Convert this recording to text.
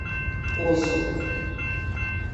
ụzụ